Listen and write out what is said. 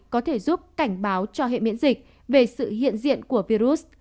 có thể giúp cảnh báo cho hệ miễn dịch về sự hiện diện của virus